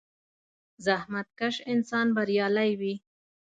• زحمتکش انسان بریالی وي.